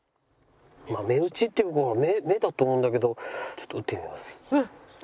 まあ目打ちって目だと思うんだけどちょっと打ってみます。